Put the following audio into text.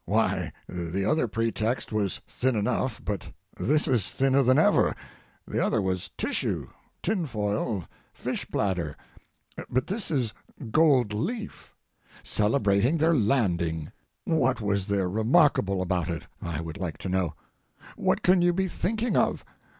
Why, the other pretext was thin enough, but this is thinner than ever; the other was tissue, tinfoil, fish bladder, but this is gold leaf. Celebrating their lauding! What was there remarkable about it, I would like to know? What can you be thinking of?